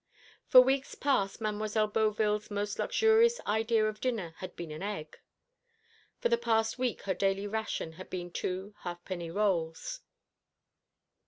For weeks past Mademoiselle Beauville's most luxurious idea of dinner had been an egg. For the last week her daily ration had been two halfpenny rolls.